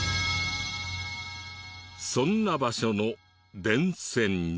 そんな場所の電線に。